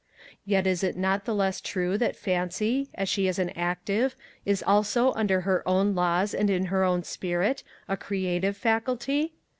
Yet is it not the less true that Fancy, as she is an active, is also, under her own laws and in her own spirit, a creative faculty?